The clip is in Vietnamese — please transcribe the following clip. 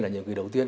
là những kỷ đầu tiên